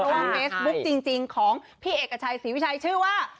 พอผู้บังเมสบุ๊คจริงของพี่เอกท่าชัยสีวิชัยชื่อว่า